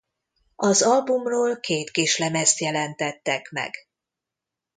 Az albumról két kislemezt jelentettek meg.